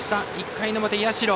１回の表、社。